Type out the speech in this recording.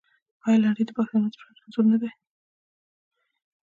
آیا لنډۍ د پښتنو د ژوند انځور نه دی؟